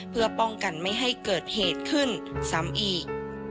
เพื่อป้องกันไม่ให้เกิดเหตุขึ้นซ้ำอีก